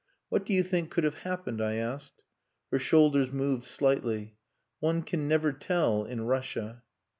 "What do you think could have happened?" I asked. Her shoulders moved slightly. "One can never tell in Russia."